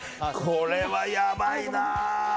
これはやばいな！